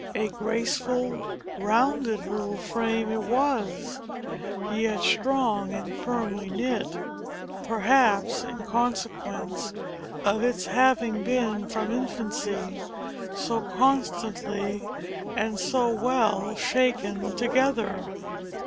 A graceful, rounded little frame it was; yet strong, and firmly knit perhaps in consequence of its having been from infancy so constantly and so well shaken together.